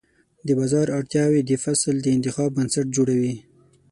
د بازار اړتیاوې د فصل د انتخاب بنسټ جوړوي.